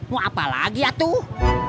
mau apa lagi atuh